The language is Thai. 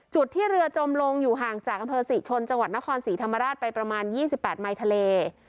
จุดที่เรือจมลงอยู่ห่างจากอำเภอศรีชนจังหวัดนครศรีธรรมราชไปประมาณ๒๘ไมค์ทะเล